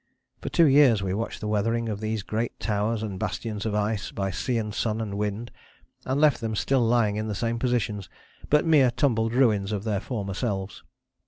For two years we watched the weathering of these great towers and bastions of ice by sea and sun and wind, and left them still lying in the same positions, but mere tumbled ruins of their former selves.